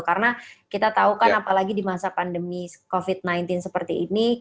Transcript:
karena kita tahu kan apalagi di masa pandemi covid sembilan belas seperti ini